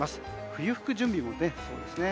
冬服の準備もそうですね。